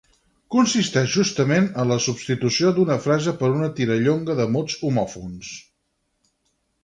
Consisteix justament en la substitució d'una frase per una tirallonga de mots homòfons.